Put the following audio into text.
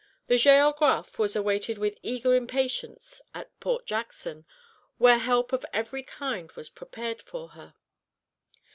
The Géographe was awaited with eager impatience at Port Jackson, where help of every kind was prepared for her.